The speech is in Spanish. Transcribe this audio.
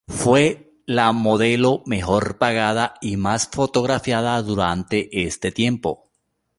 Fue la modelo mejor pagada y más fotografiada durante este tiempo.